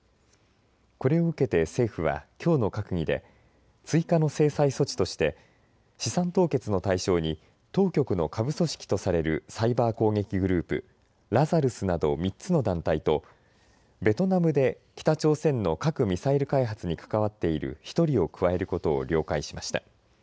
これを受けて政府はきょうの閣議で追加の制裁措置として資産凍結の対象に当局の下部組織とされるサイバー攻撃グループ、ラザルスなど３つの団体とベトナムで北朝鮮の核・ミサイル開発に関わっている１人を加えることを了解しました。